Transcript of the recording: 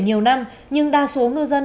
nhiều năm nhưng đa số ngư dân